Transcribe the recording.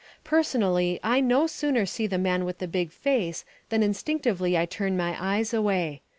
Personally, I no sooner see the man with the big face than instinctively I turn my eyes away.